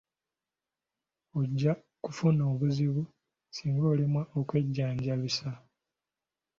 Ojja kufuna obuzibu singa olemwa okwejjanjabisa.